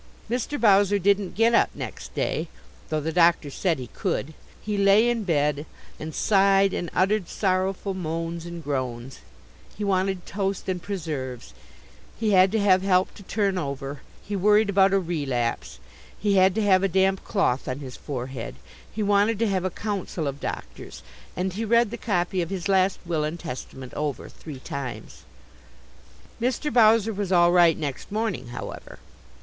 Mr. Bowser didn't get up next day, though the doctor said he could. He lay in bed and sighed and uttered sorrowful moans and groans. He wanted toast and preserves; he had to have help to turn over; he worried about a relapse; he had to have a damp cloth on his forehead; he wanted to have a council of doctors, and he read the copy of his last will and testament over three times. Mr. Bowser was all right next morning, however.